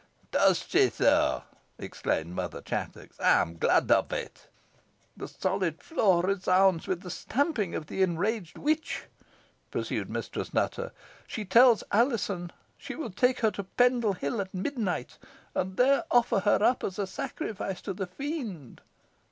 does she so?" exclaimed Mother Chattox. "I am glad of it." "The solid floor resounds with the stamping of the enraged witch," pursued Mistress Nutter. "She tells Alizon she will take her to Pendle Hill at midnight, and there offer her up as a sacrifice to the Fiend.